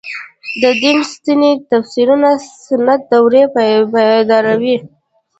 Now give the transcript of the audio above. د دین سنتي تفسیرونه سنت دورې پیداوار دي.